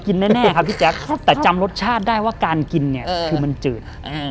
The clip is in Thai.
กินแน่ครับแต่จำรสชาติได้ว่าการกินเนี่ยคือมันจืด